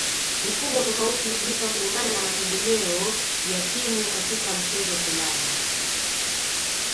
Mifumo tofauti hutumika kulingana na mategemeo ya timu katika mchezo fulani